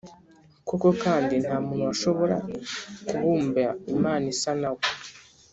Koko kandi, nta muntu washobora kubumba imana isa na we.